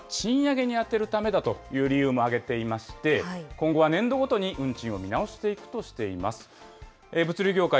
燃料費などの高騰に加えて、こちらも賃上げに充てるためだという理由も挙げていまして、今後は年度ごとに運賃を見直していくとしています。